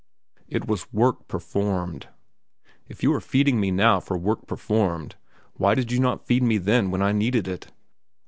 It was work performed. If you are feeding me now for work performed, why did you not feed me then when I needed it?